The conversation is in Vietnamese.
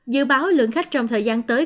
dự báo lượng khách trong thời gian tới